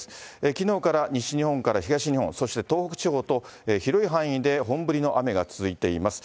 きのうから西日本から東日本、そして東北地方と、広い範囲で本降りの雨が続いています。